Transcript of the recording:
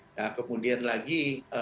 nah kemudian lagi